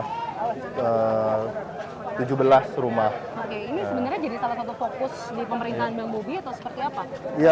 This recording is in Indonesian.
oke ini sebenarnya jadi salah satu fokus di pemerintahan bang bobi atau seperti apa